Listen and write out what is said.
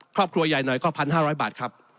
ครอบครัวใหญ่หน่อยก็๑๕๐๐บาทครับ